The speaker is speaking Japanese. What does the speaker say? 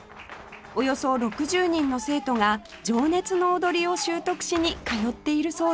およそ６０人の生徒が情熱の踊りを習得しに通っているそうです